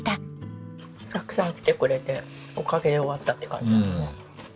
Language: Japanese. たくさん来てくれておかげで終わったって感じ。